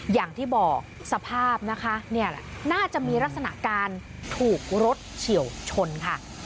อย่างที่บอกสภาพนะคะน่าจะมีลักษณะการถูกรถเฉียวชนค่ะ